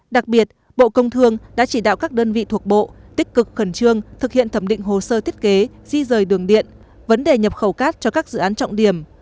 đặc biệt bộ công thương đã chỉ đạo các đơn vị thuộc bộ tích cực khẩn trương thực hiện thẩm định hồ sơ thiết kế di rời đường điện vấn đề nhập khẩu cát cho các dự án trọng điểm